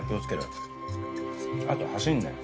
あと走んなよ。